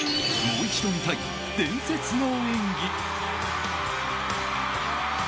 もう一度見たい伝説の演技。